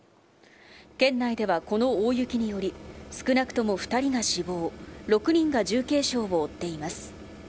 県内では、この大雪により少なくとも２人が死亡６人が重軽傷を負っています。